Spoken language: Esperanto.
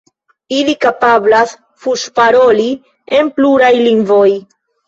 Ili kapablas fuŝparoli en pluraj lingvoj.